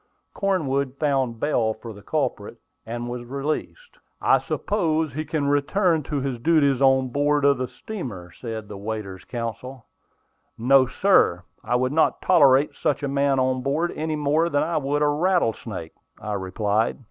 Cornwood found bail for the culprit, and he was released. "I suppose he can return to his duties on board of the steamer," said the waiter's counsel. "No, sir; I would not tolerate such a man on board any more than I would a rattlesnake," I replied.